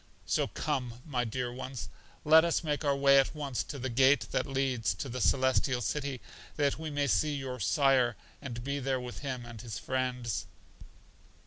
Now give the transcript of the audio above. So come, my dear ones, let us make our way at once to the gate that leads to The Celestial City, that we may see your sire and be there with him and his friends.